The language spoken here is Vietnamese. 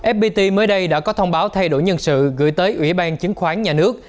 fpt mới đây đã có thông báo thay đổi nhân sự gửi tới ủy ban chứng khoán nhà nước